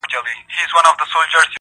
ابل او غوښه یو ډوډ دی.